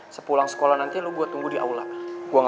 sampai jumpa di video selanjutnya